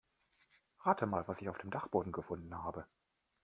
Rate mal, was ich auf dem Dachboden gefunden habe.